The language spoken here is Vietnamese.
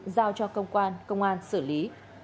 giao cho công an xử lý